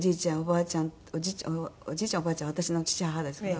おじいちゃんおばあちゃんは私の父母ですけど。